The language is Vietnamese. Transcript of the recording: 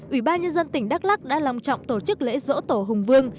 ủy ban nhân dân tỉnh đắk lắc đã lòng trọng tổ chức lễ dỗ tổ hùng vương